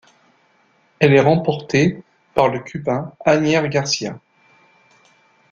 Elle est remportée par le Cubain Anier García.